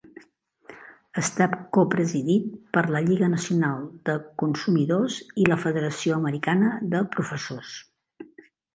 Està copresidit per la Lliga Nacional de Consumidors i la Federació Americana de Professors.